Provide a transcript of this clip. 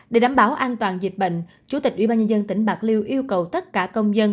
để đảm bảo an toàn dịch bệnh chủ tịch ủy ban nhân dân tỉnh bạc liêu yêu cầu tất cả công dân